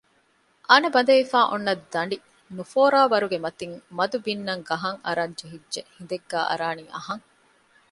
އަނަ ބަނދެފައި އޮންނަ ދަނޑި ނުފޯރާވަރުގެ މަތިން މަދު ބިންނަން ގަހަށް އަރަށް ޖެހިއްޖެ ހިނދެއްގައި އަރާނީ އަހަން